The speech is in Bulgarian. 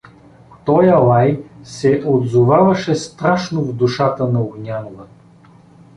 Тоя лай се отзоваваше страшно в душата на Огнянова.